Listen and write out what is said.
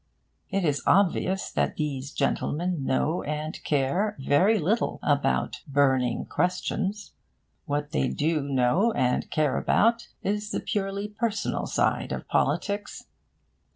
It is obvious that these gentlemen know and care very little about 'burning questions.' What they do know and care about is the purely personal side of politics.